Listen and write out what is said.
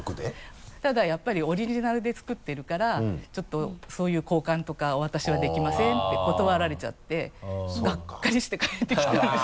ただやっぱりオリジナルで作っているからちょっとそういう交換とか私はできませんって断られちゃってがっかりして帰ってきたんです。